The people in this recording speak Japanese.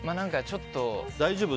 大丈夫？